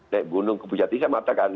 naik gunung ke pujatika mengatakan